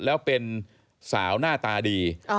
แล้วเป็นสาวหน้าตาดี